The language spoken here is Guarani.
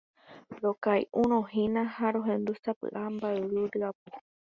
Rokay'uroína ha rohendu sapy'a mba'yru ryapu.